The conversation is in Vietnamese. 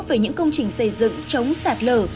với những công trình xây dựng chống sạt lở